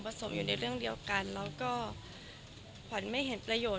สมอยู่ในเรื่องเดียวกันแล้วก็ขวัญไม่เห็นประโยชน